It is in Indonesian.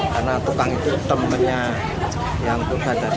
karena tukang itu temannya yang kebada